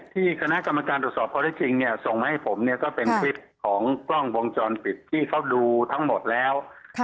ที่คณะกรรมการตรวจสอบข้อได้จริงเนี่ยส่งมาให้ผมเนี่ยก็เป็นคลิปของกล้องวงจรปิดที่เขาดูทั้งหมดแล้ว